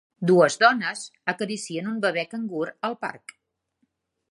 Dues dones acaricien un bebè cangur al parc.